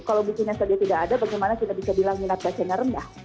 kalau bukunya sedikit tidak ada bagaimana kita bisa bilang minat baca yang rendah